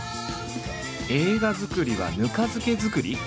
映画作りはぬか漬け作り？